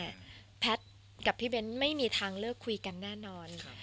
แพทย์กับพี่เบ้นไม่มีทางเลิกคุยกันแน่นอน